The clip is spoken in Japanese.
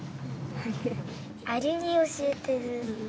アリに教えてる！